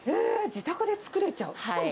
自宅で作れちゃう。